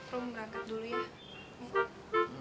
rum berangkat dulu ya